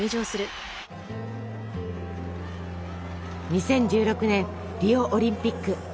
２０１６年リオオリンピック。